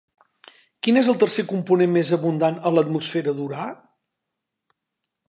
Quin és tercer component més abundant a l'atmosfera d'Urà?